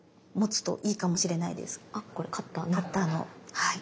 はい。